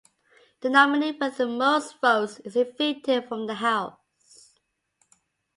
The nominee with the most votes is evicted from the house.